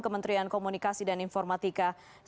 kementerian komunikasi dan informatika